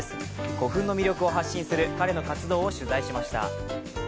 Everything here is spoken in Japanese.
古墳の魅力を発信する彼の活動を取材しました。